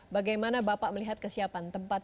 bagaimana bapak melihat kesiapan tempat